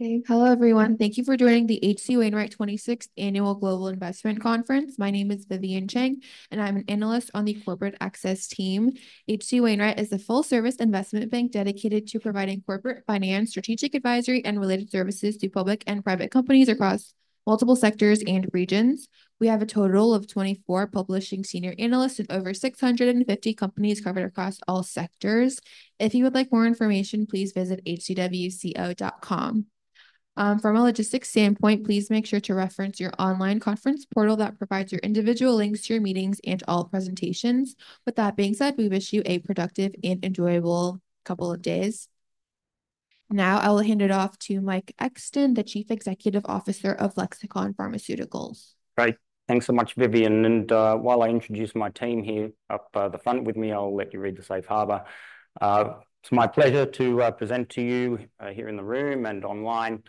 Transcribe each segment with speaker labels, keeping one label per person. Speaker 1: Okay. Hello, everyone. Thank you for joining the H.C. Wainwright 26th Annual Global Investment Conference. My name is Vivian Chang, and I'm an analyst on the corporate access team. H.C. Wainwright is a full-service investment bank dedicated to providing corporate finance, strategic advisory, and related services to public and private companies across multiple sectors and regions. We have a total of 24 publishing senior analysts with over 650 companies covered across all sectors. If you would like more information, please visit hcwco.com. From a logistics standpoint, please make sure to reference your online conference portal that provides your individual links to your meetings and all presentations. With that being said, we wish you a productive and enjoyable couple of days. Now, I will hand it off to Mike Exton, the Chief Executive Officer of Lexicon Pharmaceuticals.
Speaker 2: Great. Thanks so much, Vivian, and while I introduce my team here up the front with me, I'll let you read the safe harbor. It's my pleasure to present to you here in the room and online.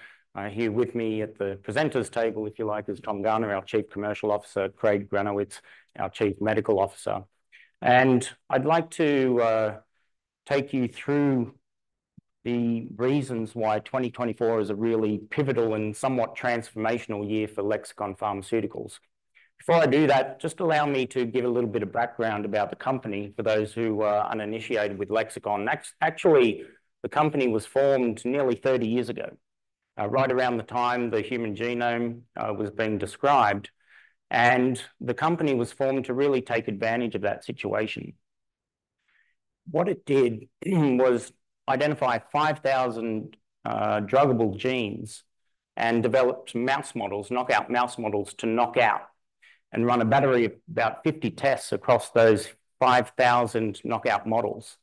Speaker 2: Here with me at the presenters table, if you like, is Tom Garner, our Chief Commercial Officer, Craig Granowitz, our Chief Medical Officer, and I'd like to take you through the reasons why 2024 is a really pivotal and somewhat transformational year for Lexicon Pharmaceuticals. Before I do that, just allow me to give a little bit of background about the company for those who are uninitiated with Lexicon. Actually, the company was formed nearly thirty years ago, right around the time the human genome was being described, and the company was formed to really take advantage of that situation. What it did was identify 5,000 druggable genes and developed mouse models, knockout mouse models, to knock out and run a battery of about 50 tests across those 5,000 knockout models.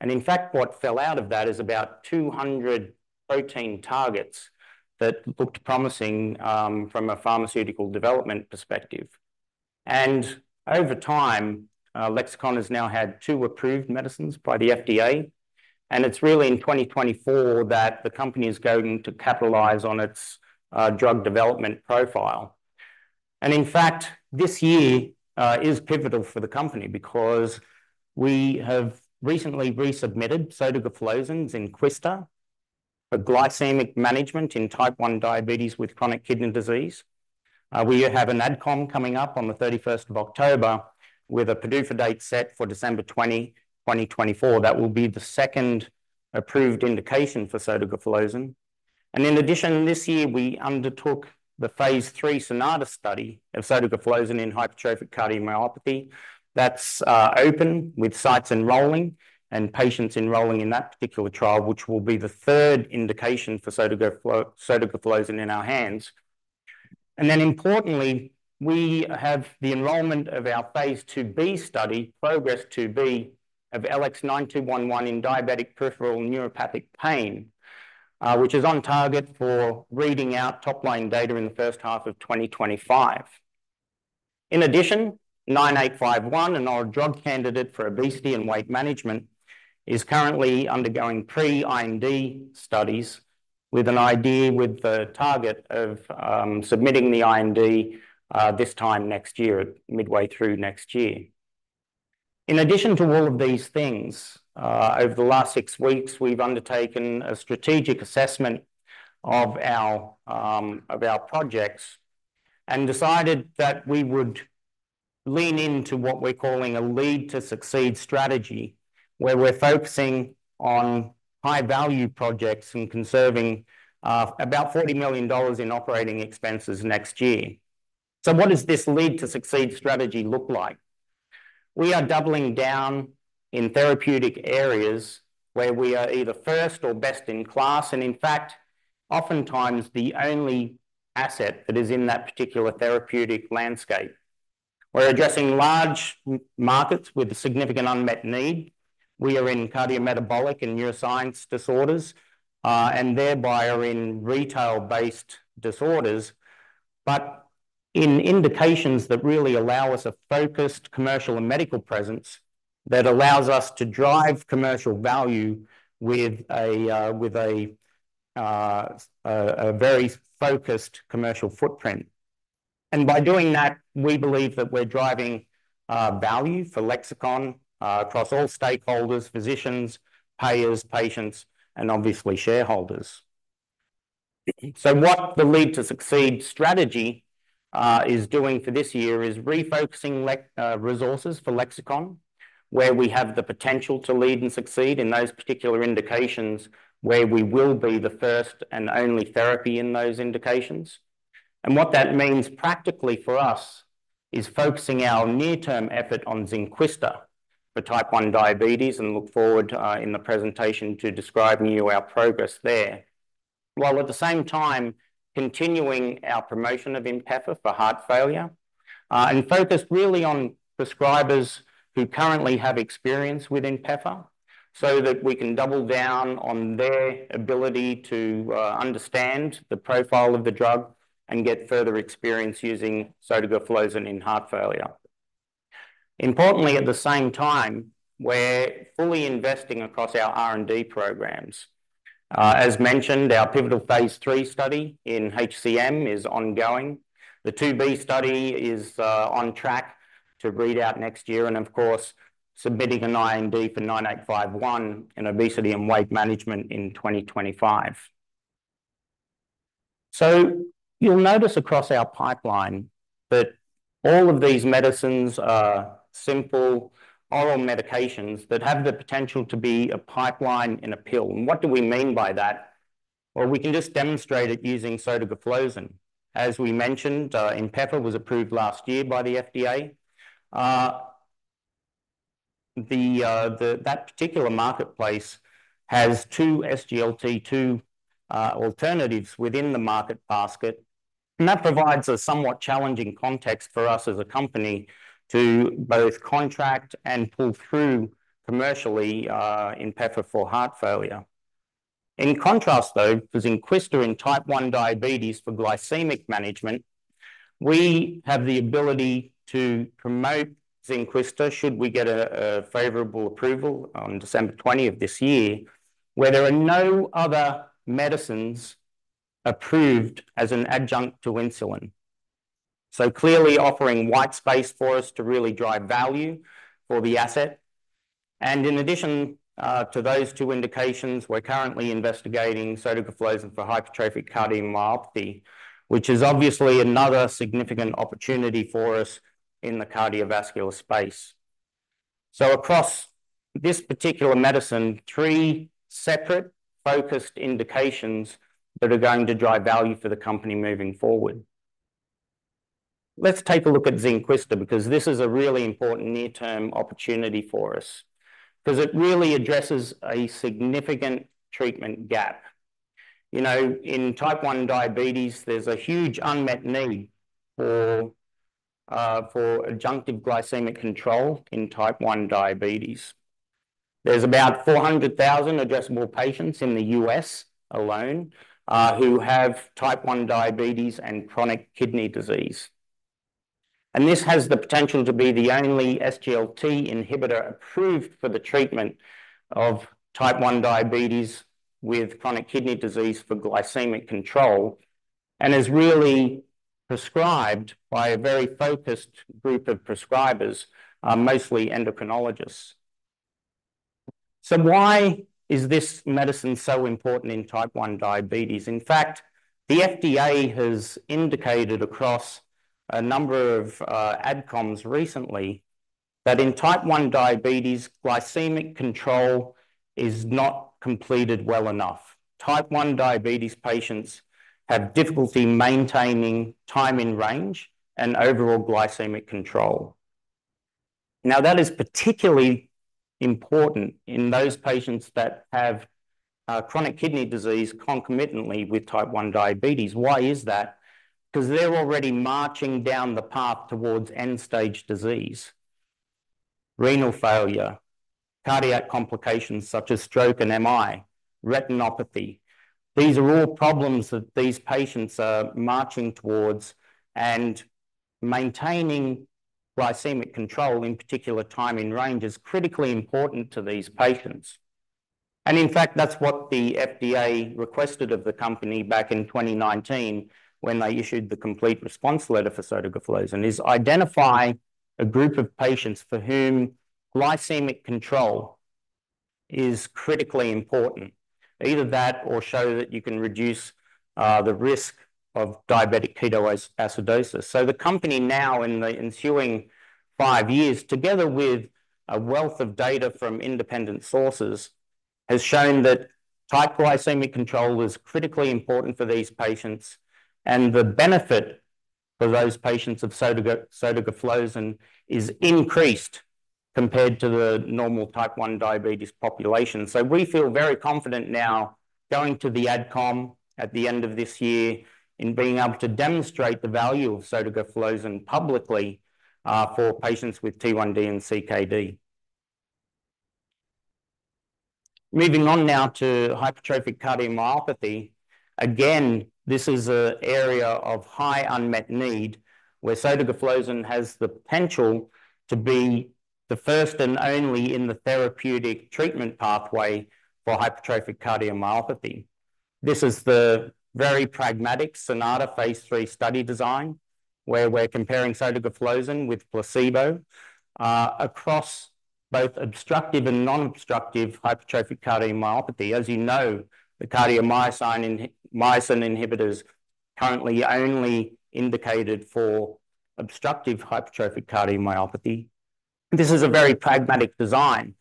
Speaker 2: In fact, what fell out of that is about 200 protein targets that looked promising from a pharmaceutical development perspective. Over time, Lexicon has now had two approved medicines by the FDA, and it's really in 2024 that the company is going to capitalize on its drug development profile. In fact, this year is pivotal for the company because we have recently resubmitted sotagliflozin Zynquista for glycemic management in type one diabetes with chronic kidney disease. We have an AdCom coming up on the thirty-first of October, with a PDUFA date set for December 20, 2024. That will be the second approved indication for sotagliflozin. In addition, this year, we undertook the phase 3 SONATA study of sotagliflozin in hypertrophic cardiomyopathy. That's open, with sites enrolling and patients enrolling in that particular trial, which will be the third indication for sotagliflozin in our hands. Then importantly, we have the enrollment of our phase 2b study, PROGRESS-2B, of LX9211 in diabetic peripheral neuropathic pain, which is on target for reading out top-line data in the first half of 2025. In addition, LX9851, an oral drug candidate for obesity and weight management, is currently undergoing pre-IND studies with the target of submitting the IND this time next year, midway through next year. In addition to all of these things, over the last six weeks, we've undertaken a strategic assessment of our, of our projects and decided that we would lean into what we're calling a Lead to Succeed strategy, where we're focusing on high-value projects and conserving about $40 million in operating expenses next year. So what does this Lead to Succeed strategy look like? We are doubling down in therapeutic areas where we are either first or best-in-class, and in fact, oftentimes the only asset that is in that particular therapeutic landscape. We're addressing large markets with a significant unmet need. We are in cardiometabolic and neuroscience disorders, and thereby are in retail-based disorders, but in indications that really allow us a focused commercial and medical presence that allows us to drive commercial value with a very focused commercial footprint. By doing that, we believe that we're driving value for Lexicon across all stakeholders, physicians, payers, patients, and obviously shareholders. What the Lead to Succeed strategy is doing for this year is refocusing resources for Lexicon, where we have the potential to lead and succeed in those particular indications, where we will be the first and only therapy in those indications. And what that means practically for us is focusing our near-term effort on Zynquista for type one diabetes and look forward in the presentation to describing to you our progress there, while at the same time continuing our promotion of INPEFA for heart failure and focus really on prescribers who currently have experience with INPEFA so that we can double down on their ability to understand the profile of the drug and get further experience using sotagliflozin in heart failure. Importantly, at the same time, we're fully investing across our R&D programs. As mentioned, our pivotal phase 3 study in HCM is ongoing. The 2B study is on track to read out next year, and of course, submitting an IND for LX9851 in obesity and weight management in 2025. So you'll notice across our pipeline that all of these medicines are simple oral medications that have the potential to be a pipeline in a pill. And what do we mean by that? Well, we can just demonstrate it using sotagliflozin. As we mentioned, INPEFA was approved last year by the FDA. The particular marketplace has two SGLT2 alternatives within the market basket, and that provides a somewhat challenging context for us as a company to both contract and pull through commercially, INPEFA for heart failure. In contrast, though, for Zynquista in Type 1 diabetes for glycemic management, we have the ability to promote Zynquista should we get a favorable approval on December twentieth this year, where there are no other medicines approved as an adjunct to insulin. So clearly offering white space for us to really drive value for the asset. In addition, to those two indications, we're currently investigating sotagliflozin for hypertrophic cardiomyopathy, which is obviously another significant opportunity for us in the cardiovascular space. So across this particular medicine, three separate focused indications that are going to drive value for the company moving forward. Let's take a look at Zynquista, because this is a really important near-term opportunity for us, 'cause it really addresses a significant treatment gap. You know, in Type 1 diabetes, there's a huge unmet need for adjunctive glycemic control in Type 1 diabetes. There's about 400,000 addressable patients in the U.S. alone, who have Type 1 diabetes and chronic kidney disease. This has the potential to be the only SGLT inhibitor approved for the treatment of Type 1 diabetes with chronic kidney disease for glycemic control, and is really prescribed by a very focused group of prescribers, mostly endocrinologists. Why is this medicine so important in Type 1 diabetes? In fact, the FDA has indicated across a number of AdComs recently that in Type 1 diabetes, glycemic control is not completed well enough. Type 1 diabetes patients have difficulty maintaining time in range and overall glycemic control. Now, that is particularly important in those patients that have chronic kidney disease concomitantly with Type 1 diabetes. Why is that? 'Cause they're already marching down the path towards end-stage disease, renal failure, cardiac complications such as stroke and MI, retinopathy. These are all problems that these patients are marching towards, and maintaining glycemic control, in particular, time in range, is critically important to these patients. And in fact, that's what the FDA requested of the company back in twenty nineteen when they issued the complete response letter for sotagliflozin, is identify a group of patients for whom glycemic control is critically important. Either that or show that you can reduce, the risk of diabetic ketoacidosis. So the company now, in the ensuing five years, together with a wealth of data from independent sources, has shown that tight glycemic control is critically important for these patients, and the benefit for those patients of sotagliflozin is increased compared to the normal Type 1 diabetes population. We feel very confident now going to the AdCom at the end of this year and being able to demonstrate the value of sotagliflozin publicly for patients with T1D and CKD. Moving on now to hypertrophic cardiomyopathy. Again, this is an area of high unmet need, where sotagliflozin has the potential to be the first and only in the therapeutic treatment pathway for hypertrophic cardiomyopathy. This is the very pragmatic SONATA phase 3 study design, where we're comparing sotagliflozin with placebo across both obstructive and non-obstructive hypertrophic cardiomyopathy. As you know, the current myosin inhibitors currently are only indicated for obstructive hypertrophic cardiomyopathy. This is a very pragmatic design,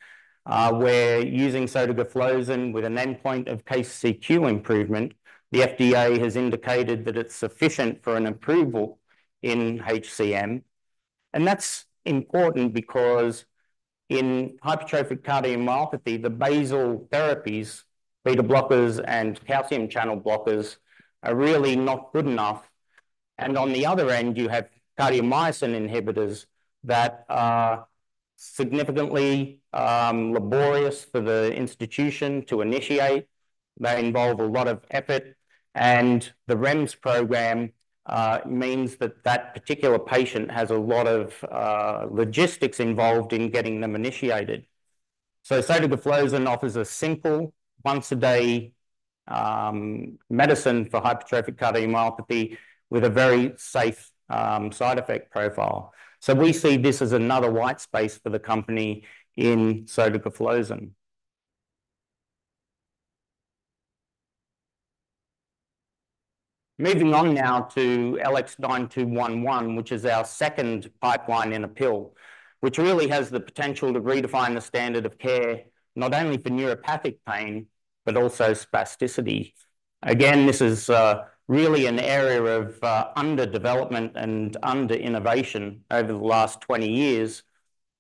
Speaker 2: where using sotagliflozin with an endpoint of KCCQ improvement, the FDA has indicated that it's sufficient for an approval in HCM. That's important because in hypertrophic cardiomyopathy, the basal therapies, beta blockers and calcium channel blockers, are really not good enough. On the other end, you have myosin inhibitors that are significantly laborious for the institution to initiate. They involve a lot of effort, and the REMS program means that that particular patient has a lot of logistics involved in getting them initiated. Sotagliflozin offers a simple, once-a-day medicine for hypertrophic cardiomyopathy with a very safe side effect profile. We see this as another white space for the company in sotagliflozin.... Moving on now to LX9211, which is our second pipeline in a pill, which really has the potential to redefine the standard of care, not only for neuropathic pain, but also spasticity. Again, this is really an area of underdevelopment and under innovation over the last twenty years,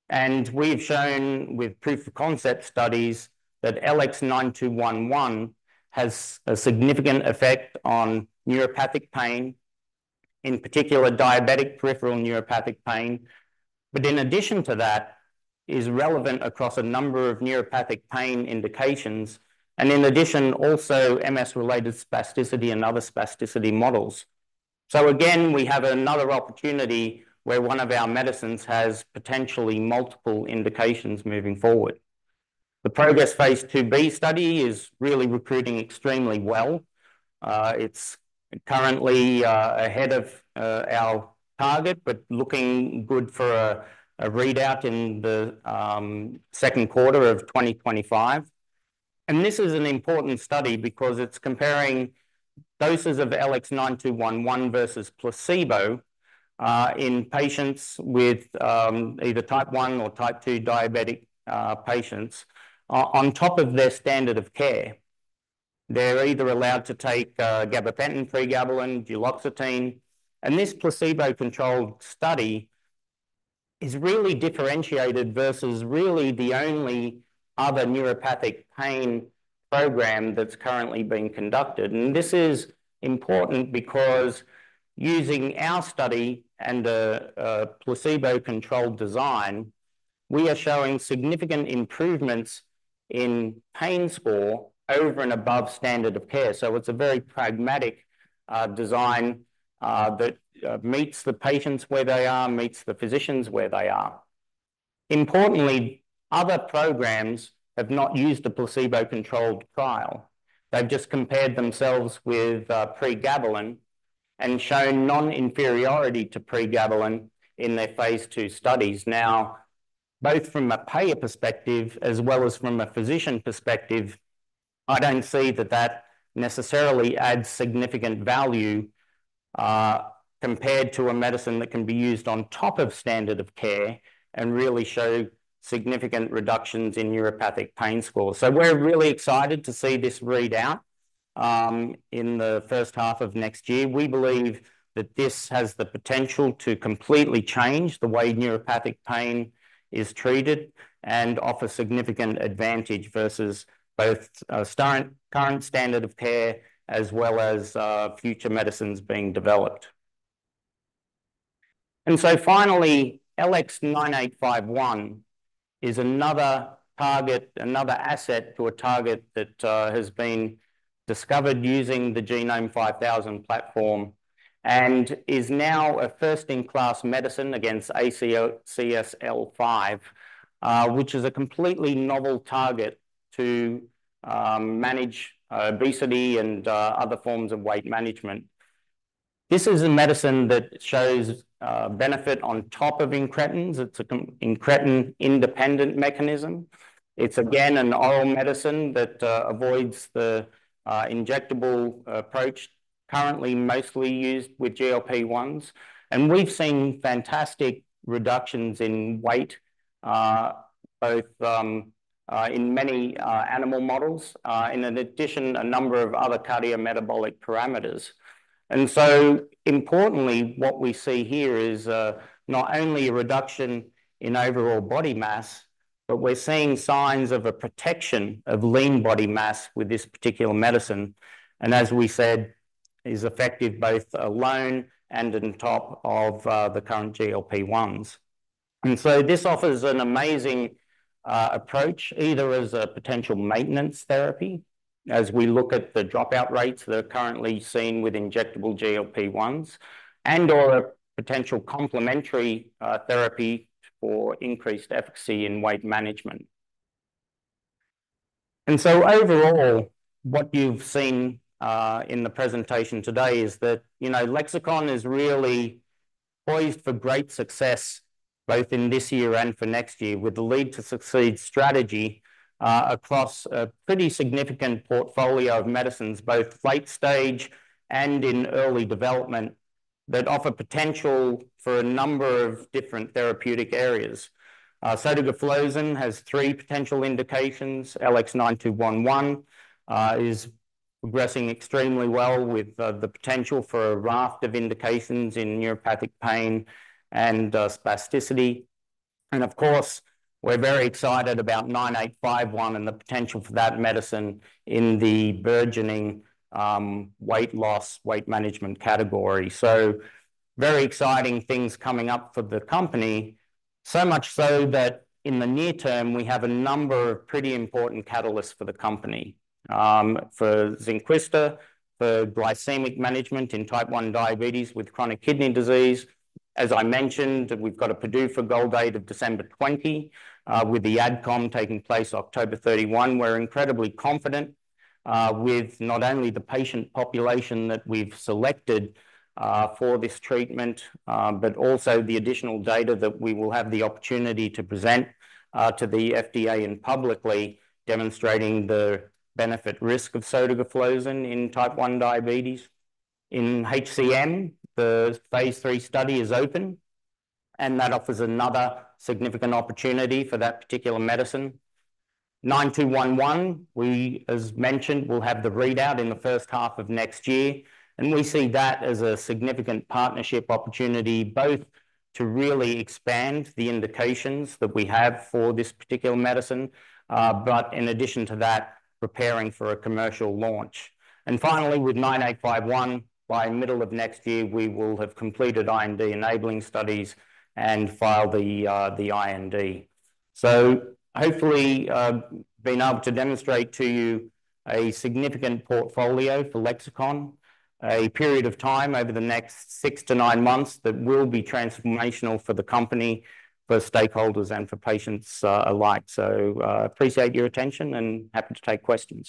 Speaker 2: and we've shown with proof of concept studies that LX9211 has a significant effect on neuropathic pain, in particular, diabetic peripheral neuropathic pain. But in addition to that, is relevant across a number of neuropathic pain indications, and in addition, also MS-related spasticity and other spasticity models. So again, we have another opportunity where one of our medicines has potentially multiple indications moving forward. The PROGRESS-2B phase 2b study is really recruiting extremely well. It's currently ahead of our target, but looking good for a readout in the second quarter of twenty twenty-five. And this is an important study because it's comparing doses of LX9211 versus placebo in patients with either Type 1 or Type 2 diabetic patients on top of their standard of care. They're either allowed to take gabapentin, pregabalin, duloxetine, and this placebo-controlled study is really differentiated versus really the only other neuropathic pain program that's currently being conducted. And this is important because using our study and a placebo-controlled design, we are showing significant improvements in pain score over and above standard of care. So it's a very pragmatic design that meets the patients where they are, meets the physicians where they are. Importantly, other programs have not used a placebo-controlled trial. They've just compared themselves with pregabalin and shown non-inferiority to pregabalin in their phase II studies. Now, both from a payer perspective as well as from a physician perspective, I don't see that that necessarily adds significant value compared to a medicine that can be used on top of standard of care and really show significant reductions in neuropathic pain scores. So we're really excited to see this readout in the first half of next year. We believe that this has the potential to completely change the way neuropathic pain is treated and offer significant advantage versus both current standard of care, as well as future medicines being developed. And so finally, LX9851 is another target, another asset to a target that has been discovered using the Genome5000 platform, and is now a first-in-class medicine against ACSL5, which is a completely novel target to manage obesity and other forms of weight management. This is a medicine that shows benefit on top of incretins. It's an incretin-independent mechanism. It's again an oral medicine that avoids the injectable approach currently mostly used with GLP-1s. And we've seen fantastic reductions in weight both in many animal models and in addition a number of other cardiometabolic parameters. And so importantly what we see here is not only a reduction in overall body mass but we're seeing signs of a protection of lean body mass with this particular medicine, and as we said, is effective both alone and on top of the current GLP-1s. And so this offers an amazing approach either as a potential maintenance therapy as we look at the dropout rates that are currently seen with injectable GLP-1s and/or a potential complementary therapy for increased efficacy in weight management. And so overall, what you've seen in the presentation today is that, you know, Lexicon is really poised for great success, both in this year and for next year, with the Lead to Succeed strategy across a pretty significant portfolio of medicines, both late stage and in early development, that offer potential for a number of different therapeutic areas. Sotagliflozin has three potential indications. LX9211 is progressing extremely well with the potential for a raft of indications in neuropathic pain and spasticity. And of course, we're very excited about LX9851 and the potential for that medicine in the burgeoning weight loss, weight management category. So very exciting things coming up for the company. So much so that in the near term, we have a number of pretty important catalysts for the company. For Zynquista, for glycemic management in Type 1 diabetes with chronic kidney disease. As I mentioned, we've got a PDUFA goal date of December 20, with the AdCom taking place October 31. We're incredibly confident, with not only the patient population that we've selected, for this treatment, but also the additional data that we will have the opportunity to present, to the FDA and publicly demonstrating the benefit-risk of sotagliflozin in Type 1 diabetes. In HCM, the phase 3 study is open, and that offers another significant opportunity for that particular medicine. 9211, we, as mentioned, will have the readout in the first half of next year, and we see that as a significant partnership opportunity, both to really expand the indications that we have for this particular medicine, but in addition to that, preparing for a commercial launch. And finally, with 9851, by middle of next year, we will have completed IND-enabling studies and filed the IND. So hopefully, I've been able to demonstrate to you a significant portfolio for Lexicon, a period of time over the next six to nine months that will be transformational for the company, for stakeholders, and for patients, alike. So, appreciate your attention and happy to take questions.